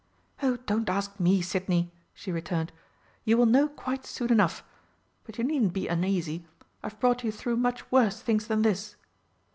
"Oh, don't ask me, Sidney!" she returned, "you will know quite soon enough. But you needn't be uneasy. I've brought you through much worse things than this."